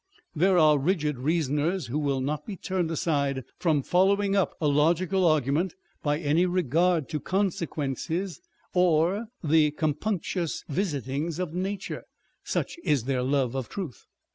There are rigid reasoners who will not be turned aside from following up a logical argument by any regard to consequences, or the " compunctious visi tings of nature " (such is their love of truth).